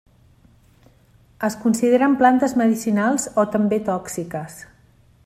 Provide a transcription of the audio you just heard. Es consideren plantes medicinals o també tòxiques.